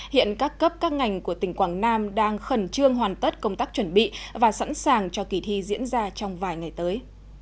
hiện các cấp các ngành của tỉnh quảng nam đang khẩn trương hoàn tất công tác chuẩn bị và sẵn sàng cho kỳ thi diễn ra trong vài ngày tới